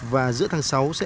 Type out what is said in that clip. và giữ thăng sát